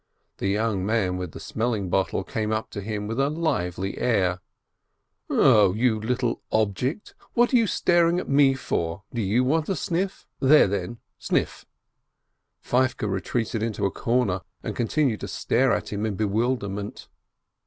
The young man with the smelling bottle came up to him with a lively air. "0 you little object! What are you staring at me for ? Do you want a sniff ? There, then, sniff !" Feivke retreated into a corner, and continued to stare at him in bewilderment.